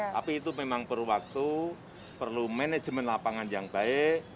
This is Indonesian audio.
tapi itu memang perlu waktu perlu manajemen lapangan yang baik